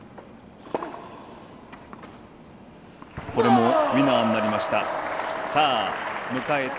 これもウィナーになりました。